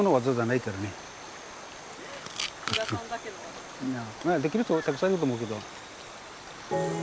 いやできる人たくさんいると思うけど。